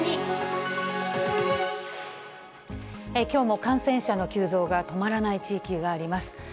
きょうも感染者の急増が止まらない地域があります。